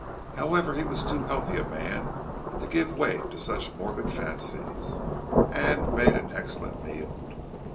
However he was too healthy a man to give way to such morbid fancies, and made an excellent meal.